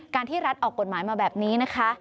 ที่รัฐออกกฎหมายมาแบบนี้นะคะ